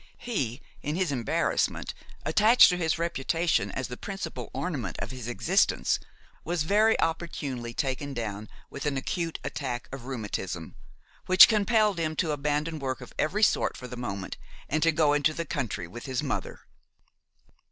He, in his embarrassment, attached to his reputation as the principal ornament of his existence, was very opportunely taken down with an acute attack of rheumatism, which compelled him to abandon work of every sort for the moment and to go into the country with his mother.